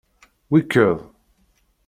Wekked.